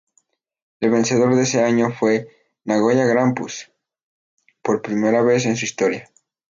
El vencedor de ese año fue Nagoya Grampus, por primera vez en su historia.